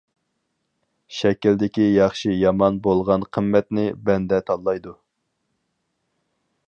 شەكىلدىكى ياخشى-يامان بولغان قىممەتنى بەندە تاللايدۇ.